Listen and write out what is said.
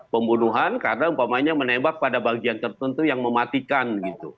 pembunuhan karena umpamanya menembak pada bagian tertentu yang mematikan gitu